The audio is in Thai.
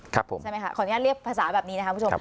ใช่ไหมคะขออนุญาตเรียกภาษาแบบนี้นะครับคุณผู้ชม